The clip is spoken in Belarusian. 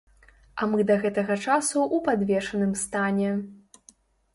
А мы да гэтага часу ў падвешаным стане.